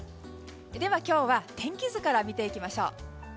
では、今日は天気図から見ていきましょう。